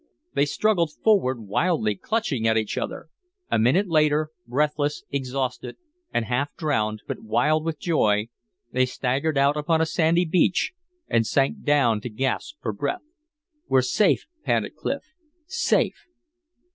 They struggled forward wildly, clutching at each other. A minute later, breathless, exhausted and half drowned, but wild with joy, they staggered out upon a sandy beach and sank down to gasp for breath. "We're safe!" panted Clif. "Safe!"